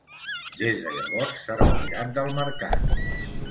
Des de llavors s'ha retirat del mercat.